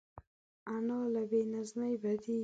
انا له بې نظمۍ بدېږي